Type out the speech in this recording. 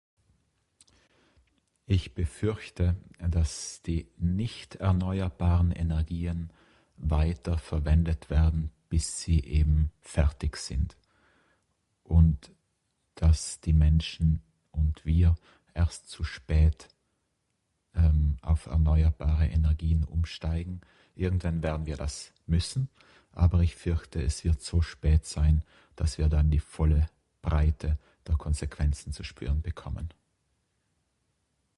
Ich befürchte, dass die nicht-erneuerbaren Energien weiter verwendet werden, bis sie eben fertig sind. Und dass die Menschen und wir erst zu spät, ähm, auf erneuerbare Energien umsteigen. Irgendwann werden wir das müssen, aber ich fürchte es wird so spät sein, dass wir dann die volle Breite der Konsequenzen zu spüren bekommen.